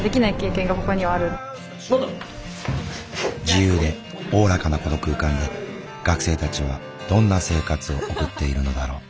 自由でおおらかなこの空間で学生たちはどんな生活を送っているのだろう？